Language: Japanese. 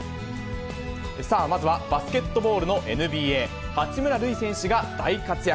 さあ、まずはバスケットボールのＮＢＡ、八村塁選手が大活躍。